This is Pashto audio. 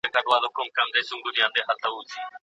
اقتصاد پوهانو تل نوې لارې لټولې دي.